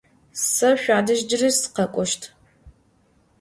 Se şsuadej cıri sıkhek'oşt.